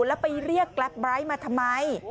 แล้วไปเรียกกรับไบร์ทมาทำไม